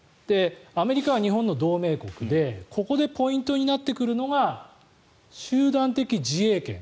アメリカは日本の同盟国でここでポイントになってくるのが集団的自衛権。